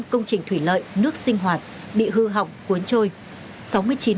một mươi công trình thủy lợi nước sinh hoạt bị hư hỏng cuốn trôi